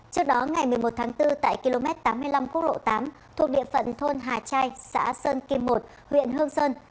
trước đó ngày một mươi một tháng bốn tại km tám mươi năm quốc lộ tám thuộc địa phận thôn hà trai xã sơn kim một huyện hương sơn